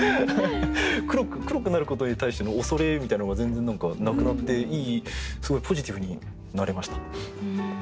黒くなることに対しての恐れみたいなのが全然なくなってすごいポジティブになれました。